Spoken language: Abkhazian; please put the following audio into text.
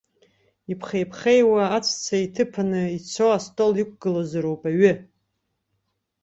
Иԥхеиԥхеиуа, аҵәца иҭыԥаны ицо астол иқәгылазароуп аҩы!